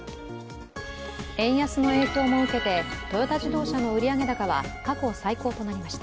円安の影響も受けて、トヨタ自動車の売上高は過去最高となりました。